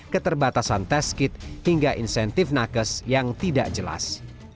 keterbatasan tes kit hingga insentif nakes yang tidak jelas